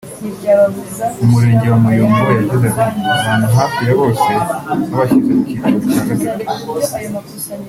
mu Murenge wa Muyumbu yagize ati “Abantu hafi ya bose babashyize mu cyiciro cya gatatu